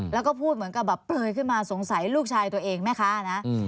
แล้วก็พูดเหมือนกับแบบเปลยขึ้นมาสงสัยลูกชายตัวเองแม่ค้านะ